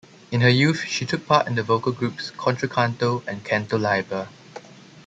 In her youth she took part in the vocal groups "Contracanto" and "Canto Libre".